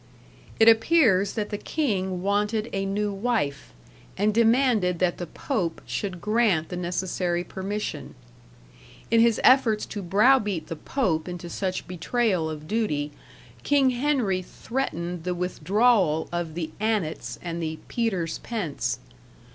It appears that the king wanted a new wife, and demanded that the Pope should grant the necessary permission; in his efforts to browbeat the Pope into such betrayal of duty, King Henry threatened the withdrawal of the "annates" and the "Peter's pence".